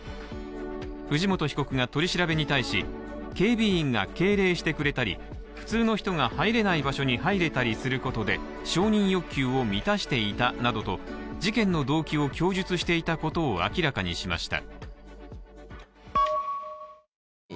藤本被告が取り調べに対し警備員が敬礼してくれたり普通の人が入れない場所に入れたりすることで承認欲求を満たしていたなどと事件の動機を供述していたことを明らかにしました。